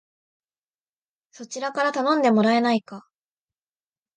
そちらから頼んでもらえないか